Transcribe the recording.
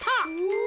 お！